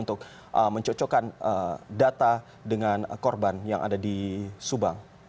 untuk mencocokkan data dengan korban yang ada di subang